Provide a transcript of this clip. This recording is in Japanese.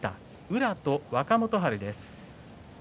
宇良と若元春です。